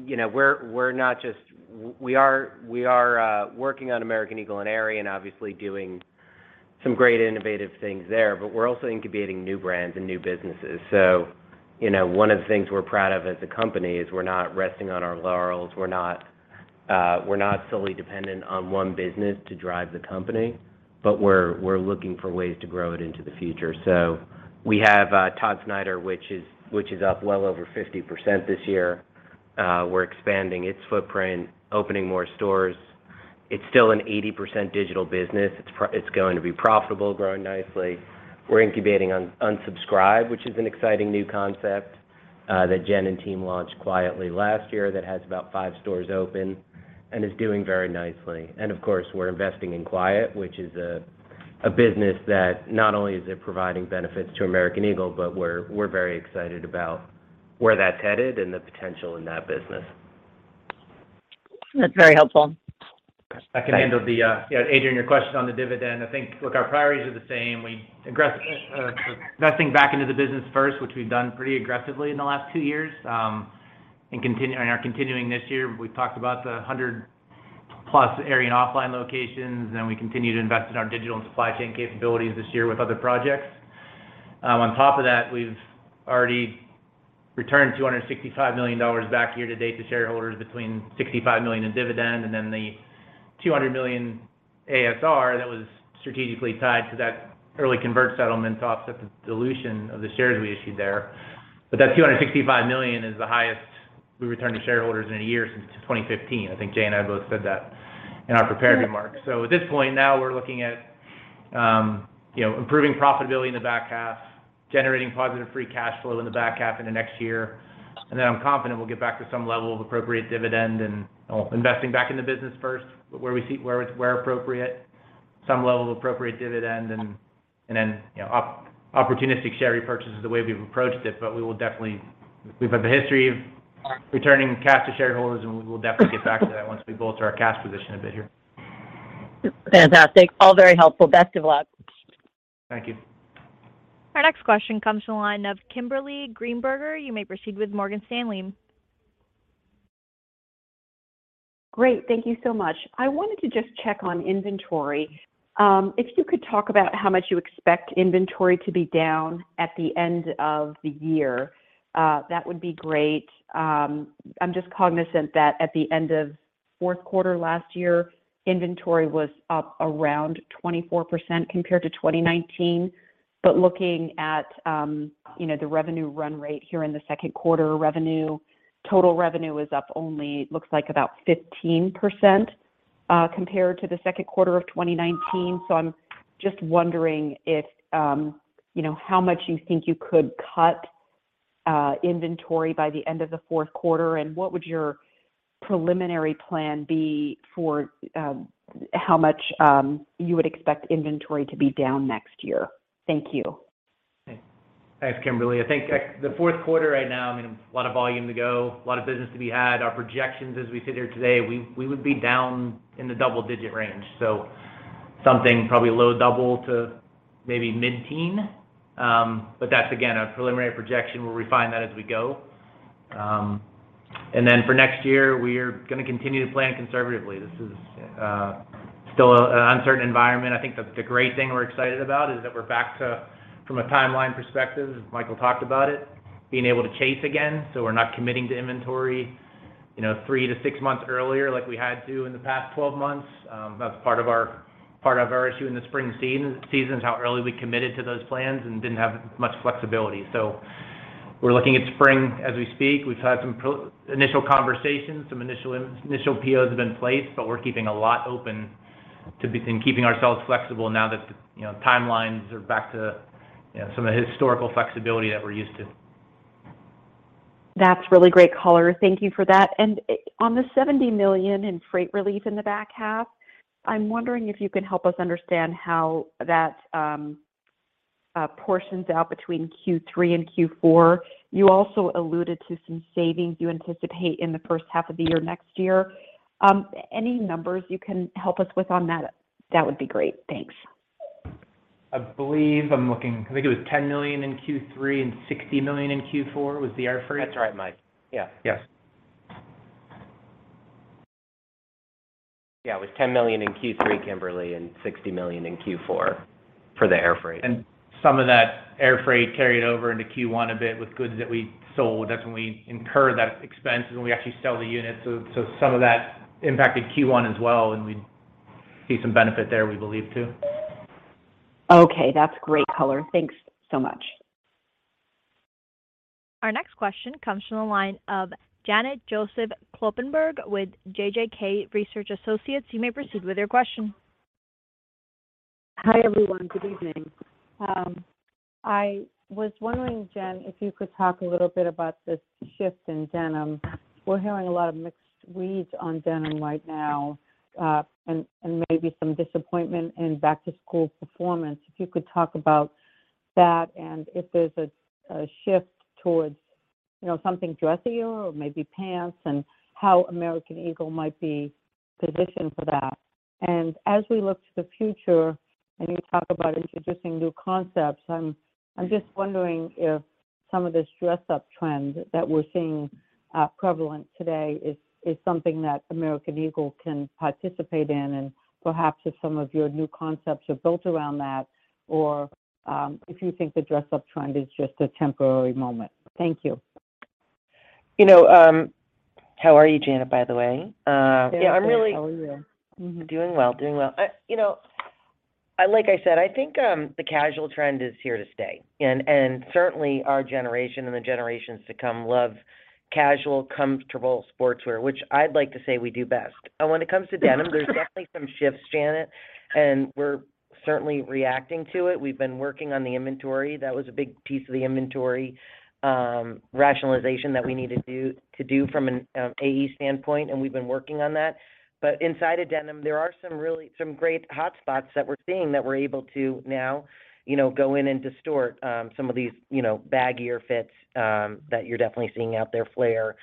S5: you know, we're not just working on American Eagle and Aerie, and obviously doing some great innovative things there. We're also incubating new brands and new businesses. You know, one of the things we're proud of as a company is we're not resting on our laurels. We're not solely dependent on one business to drive the company, but we're looking for ways to grow it into the future. We have Todd Snyder, which is up well over 50% this year. We're expanding its footprint, opening more stores. It's still an 80% digital business. It's going to be profitable, growing nicely. We're incubating on Unsubscribed, which is an exciting new concept that Jen and team launched quietly last year that has about five stores open and is doing very nicely. Of course, we're investing in Quiet, which is a business that not only is it providing benefits to American Eagle, but we're very excited about where that's headed and the potential in that business.
S11: That's very helpful.
S5: Thank you.
S6: I can handle the yeah Adrienne your question on the dividend. I think. Look, our priorities are the same. We investing back into the business first, which we've done pretty aggressively in the last two years, and are continuing this year. We've talked about the 100+ Aerie and OFFLINE locations, and we continue to invest in our digital and supply chain capabilities this year with other projects. On top of that, we've already returned $265 million back year to date to shareholders between $65 million in dividend and then the $200 million ASR that was strategically tied to that early convert settlement to offset the dilution of the shares we issued there. That $265 million is the highest we returned to shareholders in a year since 2015. I think Jay and I both said that in our prepared remarks. At this point now we're looking at, you know, improving profitability in the back half, generating positive free cash flow in the back half into next year. I'm confident we'll get back to some level of appropriate dividend and investing back in the business first where appropriate, some level of appropriate dividend and then, you know, opportunistic share repurchase is the way we've approached it. We will definitely. We've had the history of returning cash to shareholders, and we will definitely get back to that once we build our cash position a bit here.
S4: Fantastic. All very helpful. Best of luck.
S6: Thank you.
S1: Our next question comes from the line of Kimberly Greenberger. You may proceed with Morgan Stanley.
S12: Great. Thank you so much. I wanted to just check on inventory. If you could talk about how much you expect inventory to be down at the end of the year, that would be great. I'm just cognizant that at the end of fourth quarter last year, inventory was up around 24% compared to 2019. Looking at, you know, the revenue run rate here in the second quarter, revenue, total revenue is up only looks like about 15%, compared to the second quarter of 2019. I'm just wondering if, you know, how much you think you could cut, inventory by the end of the fourth quarter, and what would your preliminary plan be for, how much, you would expect inventory to be down next year? Thank you.
S6: Thanks, Kimberly. I think the fourth quarter right now, I mean, a lot of volume to go, a lot of business to be had. Our projections as we sit here today, we would be down in the double-digit range. Something probably low double to maybe mid-teen. That's again a preliminary projection. We'll refine that as we go. For next year, we are gonna plan conservatively. This is still an uncertain environment. I think the great thing we're excited about is that we're back to, from a timeline perspective, as Michael talked about it, being able to chase again. We're not committing to inventory, you know, three to six months earlier like we had to in the past 12 months. That's part of our issue in the spring season is how early we committed to those plans and didn't have much flexibility. We're looking at spring as we speak. We've had some initial conversations, some initial POs have been placed, but we're keeping a lot open and keeping ourselves flexible now that, you know, timelines are back to, you know, some of the historical flexibility that we're used to.
S12: That's really great color. Thank you for that. On the $70 million in freight relief in the back half, I'm wondering if you can help us understand how that portions out between Q3 and Q4. You also alluded to some savings you anticipate in the first half of the year next year. Any numbers you can help us with on that would be great. Thanks.
S6: I think it was $10 million in Q3 and $60 million in Q4 was the air freight.
S5: That's right, Mike. Yeah.
S6: Yes.
S5: Yeah. It was $10 million in Q3, Kimberly, and $60 million in Q4 for the air freight.
S6: Some of that air freight carried over into Q1 a bit with goods that we sold. That's when we incurred that expense, and we actually sell the unit. So, some of that impacted Q1 as well, and we see some benefit there, we believe, too.
S12: Okay. That's great color. Thanks so much.
S1: Our next question comes from the line of Janet Joseph Kloppenburg with JJK Research Associates. You may proceed with your question.
S13: Hi, everyone. Good evening. I was wondering, Jen, if you could talk a little bit about the shift in denim. We're hearing a lot of mixed reads on denim right now, and maybe some disappointment in back-to-school performance. If you could talk about that and if there's a shift towards, you know, something dressier or maybe pants and how American Eagle might be positioned for that. As we look to the future and you talk about introducing new concepts, I'm just wondering if some of this dress up trend that we're seeing prevalent today is something that American Eagle can participate in. Perhaps if some of your new concepts are built around that or if you think the dress up trend is just a temporary moment. Thank you.
S4: You know, how are you, Janet, by the way? Yeah, I'm really.
S13: Good. How are you?
S4: Doing well. You know, like I said, I think the casual trend is here to stay. Certainly our generation and the generations to come love casual, comfortable sportswear, which I'd like to say we do best. When it comes to denim, there's definitely some shifts, Janet, and we're certainly reacting to it. We've been working on the inventory. That was a big piece of the inventory rationalization that we need to do from an AE standpoint, and we've been working on that. Inside of denim, there are some great hotspots that we're seeing that we're able to now, you know, go in and double down on some of these, you know, baggier fits that you're definitely seeing out there, flare.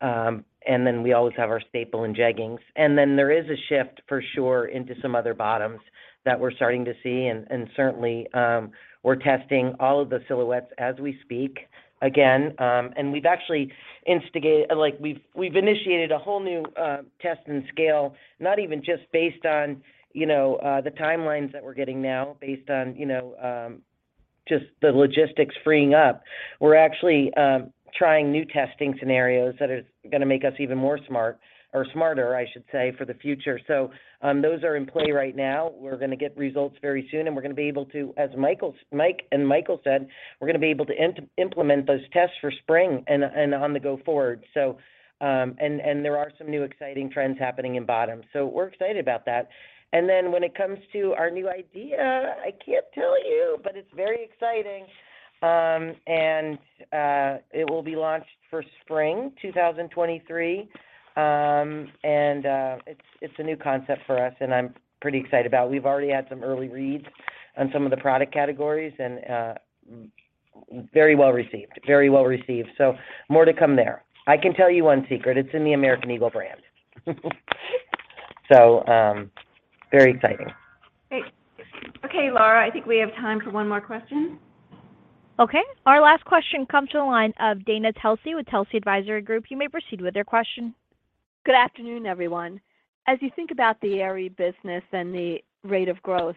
S4: We always have our staple in jeggings. There is a shift for sure into some other bottoms that we're starting to see, and certainly, we're testing all of the silhouettes as we speak. Again, we've actually like, we've initiated a whole new test and scale, not even just based on, you know, the timelines that we're getting now based on, you know.
S6: Just the logistics freeing up, we're actually trying new testing scenarios that are gonna make us even more smart or smarter, I should say, for the future. Those are in play right now. We're gonna get results very soon, and we're gonna be able to, as Mike and Michael said, we're gonna be able to implement those tests for spring and on the go forward. There are some new exciting trends happening in bottoms, so we're excited about that. When it comes to our new idea, I can't tell you, but it's very exciting. It will be launched for spring 2023. It's a new concept for us and I'm pretty excited about. We've already had some early reads on some of the product categories and very well received. Very well received. More to come there. I can tell you one secret. It's in the American Eagle brand. Very exciting.
S2: Great. Okay, Laura, I think we have time for one more question.
S1: Okay. Our last question comes to the line of Dana Telsey with Telsey Advisory Group. You may proceed with your question.
S14: Good afternoon, everyone. As you think about the Aerie business and the rate of growth,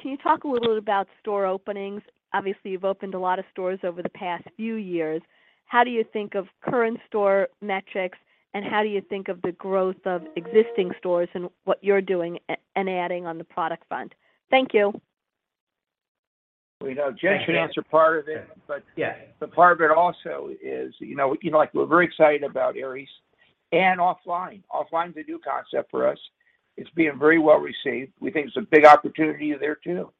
S14: can you talk a little bit about store openings? Obviously, you've opened a lot of stores over the past few years. How do you think of current store metrics, and how do you think of the growth of existing stores and what you're doing and adding on the product front? Thank you.
S6: We know Jay should answer part of it.
S3: Yeah.
S6: The part of it also is, you know, like, we're very excited about Aerie and OFFLINE. OFFLINE is a new concept for us. It's being very well received. We think it's a big opportunity there too.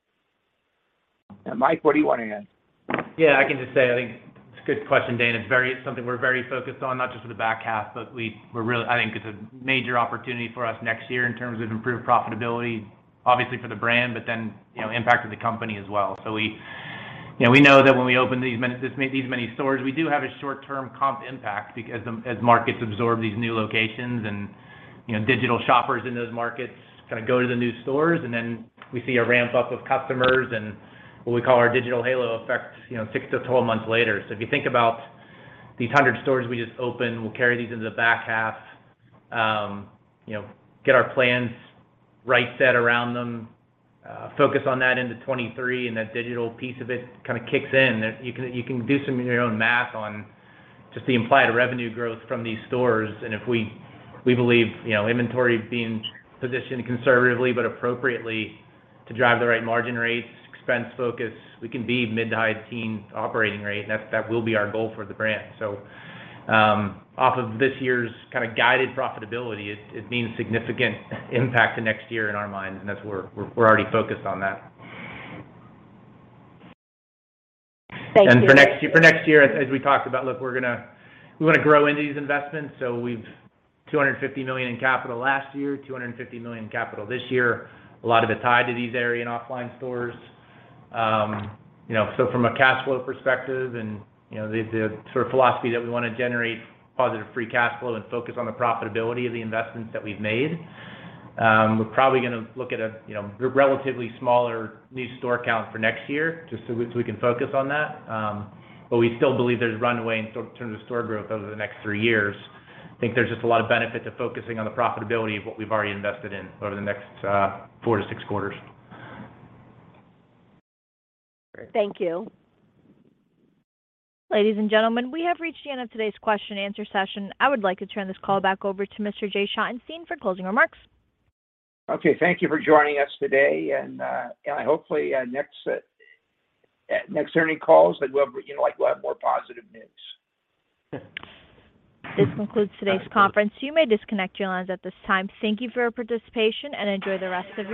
S6: Now, Mike, what do you wanna add?
S3: Yeah, I can just say, I think it's a good question, Dana. It's very. It's something we're very focused on, not just for the back half, but we're really. I think it's a major opportunity for us next year in terms of improved profitability, obviously for the brand, but then, you know, impact of the company as well. We, you know, we know that when we open these many stores, we do have a short-term comp impact because, as markets absorb these new locations and, you know, digital shoppers in those markets kinda go to the new stores. We see a ramp-up of customers and what we call our digital halo effect, you know, six to 12 months later. If you think about these 100 stores we just opened, we'll carry these into the back half, you know, get our plans right set around them, focus on that into 2023, and that digital piece of it kinda kicks in. You can do some of your own math on just the implied revenue growth from these stores. If we believe, you know, inventory being positioned conservatively but appropriately to drive the right margin rates, expense focus, we can be mid- to high-teens operating rate, and that will be our goal for the brand. Off of this year's kinda guided profitability, it means significant impact to next year in our minds, and that's where we're already focused on that.
S14: Thank you.
S6: For next year, as we talked about, look, we wanna grow into these investments. We've $250 million in capital last year, $250 million capital this year. A lot of it tied to these Aerie and OFFLINE stores. You know, from a cash flow perspective and, you know, the sort of philosophy that we wanna generate positive free cash flow and focus on the profitability of the investments that we've made, we're probably gonna look at a, you know, relatively smaller new store count for next year just so we can focus on that. We still believe there's runway in terms of store growth over the next three years. I think there's just a lot of benefit to focusing on the profitability of what we've already invested in over the next four to six quarters.
S14: Thank you.
S1: Ladies and gentlemen, we have reached the end of today's question and answer session. I would like to turn this call back over to Mr. Jay Schottenstein for closing remarks.
S3: Okay. Thank you for joining us today and hopefully next earnings calls, that we'll, you know, like, we'll have more positive news.
S1: This concludes today's conference. You may disconnect your lines at this time. Thank you for your participation and enjoy the rest of your day.